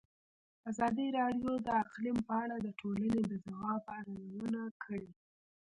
ازادي راډیو د اقلیم په اړه د ټولنې د ځواب ارزونه کړې.